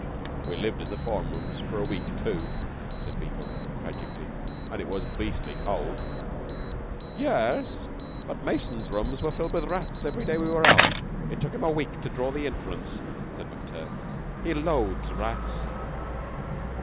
"We lived in the form rooms for a week, too," said Beetle, tragically. "And it was beastly cold." "Ye es, but Mason's rooms were filled with rats every day we were out. It took him a week to draw the inference," said McTurk. "He loathes rats.